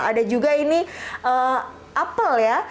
ada juga ini apel ya